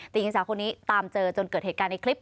ตีนที่๓คู่นี้ตามเจอจนเกิดเหตุการณ์ในคลิป